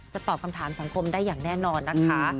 ตอบคำถามสังคมได้อย่างแน่นอนนะคะ